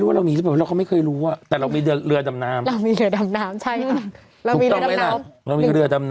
เราก็ไม่รู้ว่าเรามี